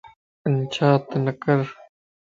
پنچاتَ نڪر